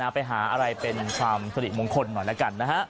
ไปหาอะไรเป็นความสลิมงคลหน่อยนะครับ